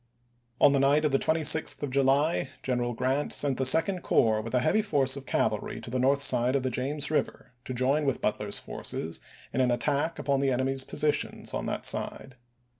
On the night of the 26th of July, General Grant sent the Second Corps with a heavy force of cavalry to the north side of the James Eiver, to join with Grant, Butler's forces in an attack upon the enemy's posi "Memoirs." tions on that side.